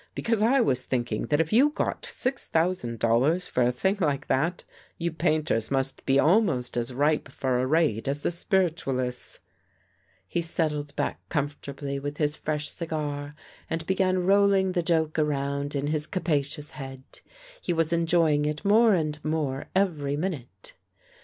Because I was thinking that if you got six thousand dollars for a thing like that, you painters must be almost as ripe for a raid as the spiritualists." He settled back comfortably with his fresh cigar and began rolling the joke around in his capacious head. He was enjoying it more and more every minute.